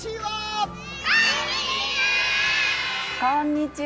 こんにちは。